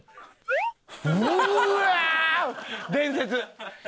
伝説！